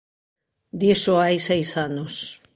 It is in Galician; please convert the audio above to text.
Diso hai seis anos.